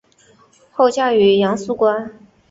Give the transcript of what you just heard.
后嫁于杨肃观。